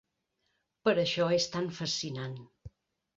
Per això és tan fascinant.